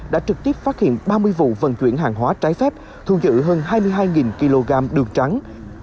đã trực tiếp phát hiện ba mươi vụ vận chuyển hàng hóa trái phép thu giữ hơn hai mươi hai kg đường trắng